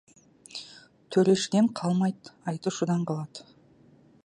Төрешіден қалмайды, айтушыдан қалады.